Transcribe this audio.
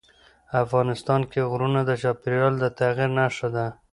افغانستان کې غرونه د چاپېریال د تغیر نښه ده.